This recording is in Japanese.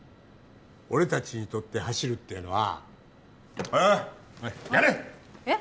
俺達にとって走るっていうのはおいおいやれえっ？